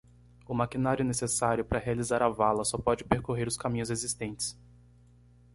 O maquinário necessário para realizar a vala só pode percorrer os caminhos existentes.